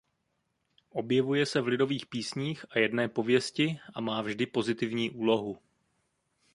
Objevuje se v lidových písních a jedné pověsti a má vždy pozitivní úlohu.